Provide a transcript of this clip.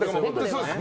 そうです。